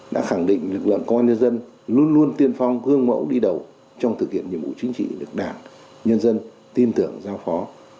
đã khẳng định lực lượng công an nhân dân luôn luôn tiên phong gương mẫu đi đầu trong thực hiện nhiệm vụ chính trị được đảng nhân dân tin tưởng giao phó